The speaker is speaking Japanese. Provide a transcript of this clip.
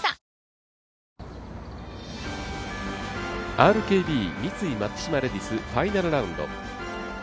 ＲＫＢ×三井松島レディスファイナルラウンド。